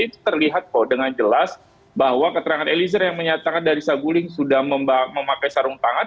itu terlihat kok dengan jelas bahwa keterangan eliezer yang menyatakan dari saguling sudah memakai sarung tangan